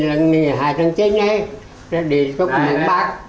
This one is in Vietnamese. lần này là hai tháng chín đấy để có người bác